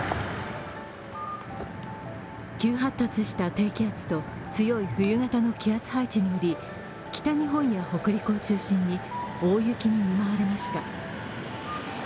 急発達した低気圧と強い冬型の気圧配置により北日本や北陸を中心に大雪に見舞われました。